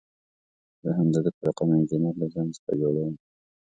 زه هم د ده په رقم انجینر له ځان څخه جوړوم.